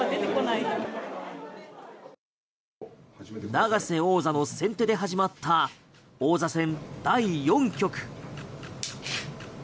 永瀬王座の先手で始まった王座戦第４局。